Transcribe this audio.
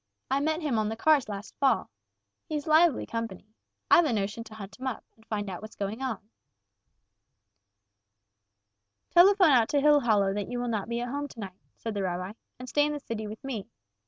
I met him on the cars last fall. He's lively company. I've a notion to hunt him up, and find what's going on." "Telephone out to Hillhollow that you will not be at home to night," said the rabbi, "and stay in the city with me.